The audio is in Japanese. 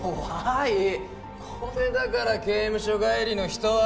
これだから刑務所帰りの人は。